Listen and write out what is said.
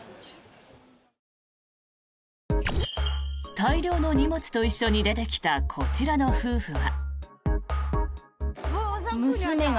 大量の荷物と一緒に出てきたこちらの夫婦は。